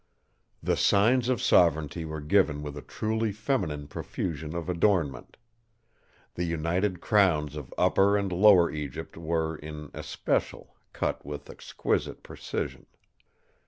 "The signs of sovereignty were given with a truly feminine profusion of adornment. The united Crowns of Upper and Lower Egypt were, in especial, cut with exquisite precision.